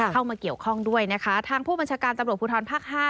เข้ามาเกี่ยวข้องด้วยนะคะทางผู้บัญชาการตำรวจภูทรภาค๕